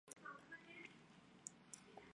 胱天蛋白酶是一类半胱氨酸蛋白酶的统称。